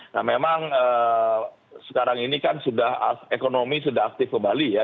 nah memang sekarang ini kan sudah ekonomi sudah aktif ke bali ya